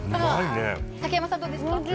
竹山さん、どうですか？